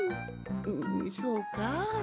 んんそうか？